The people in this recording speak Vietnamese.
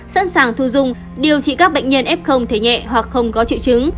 sẵn sàng thu dung điều trị các bệnh nhân f thể nhẹ hoặc không có triệu chứng